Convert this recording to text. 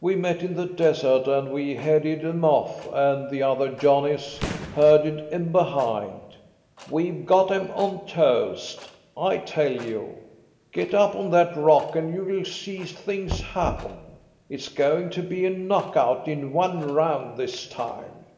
We met in the desert, and we headed 'em off, and the other Johnnies herded 'em behind. We've got 'em on toast, I tell you. Get up on that rock and you'll see things happen. It's going to be a knockout in one round this time."